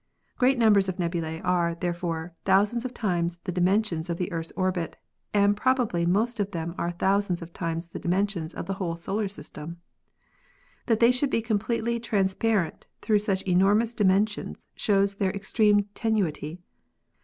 Great numbers of nebulae are, therefore, thousands of times the dimensions of the Earth's orbit, and probably most of them are thousands of times the dimensions of the whole solar system. That they should be completely transparent through such enor mous dimensions shows their extreme tenuity.